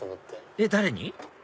えっ誰に？